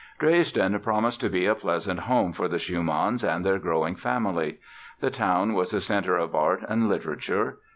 Dresden promised to be a pleasant home for the Schumanns and their growing family. The town was a center of art and literature.